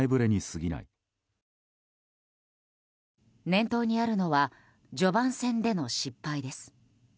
念頭にあるのは序盤戦での失敗です。